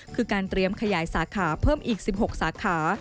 คือการเตรียมขยายสาขาเพิ่มอีก๑๖สาขา